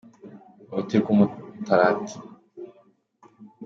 Ni uruti rw’umutarati